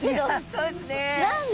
そうですね。